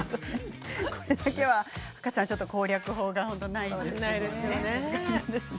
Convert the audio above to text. これだけは赤ちゃんちょっと攻略法がないですよね。